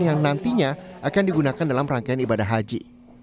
yang nantinya akan digunakan dalam rangkaian ibadah haji